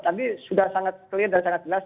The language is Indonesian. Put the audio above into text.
tadi sudah sangat jelas